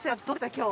今日。